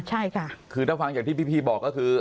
ใช่ครับคือถ้าฟังจากที่พี่บอกก็คือ